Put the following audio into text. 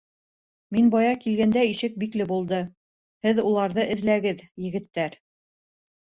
Мин бая килгәндә ишек бикле булды. һеҙ уларҙы эҙләгеҙ, егеттәр.